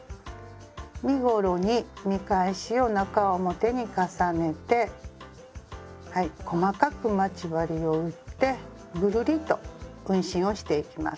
身ごろに見返しを中表に重ねてはい細かく待ち針を打ってぐるりと運針をしていきます。